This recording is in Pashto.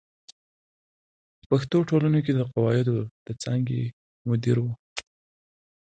په پښتو ټولنه کې د قواعدو د څانګې مدیر و.